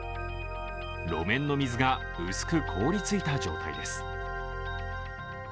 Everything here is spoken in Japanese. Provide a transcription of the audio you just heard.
路面の水が薄く凍りついた状態です。